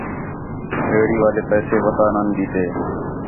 ریڑھی والے پیسے وَتا نان ݙِتّے